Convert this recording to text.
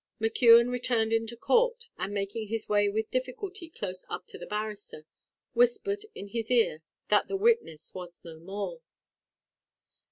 McKeon returned into court, and making his way with difficulty close up to the barrister, whispered in his ear that his witness was no more.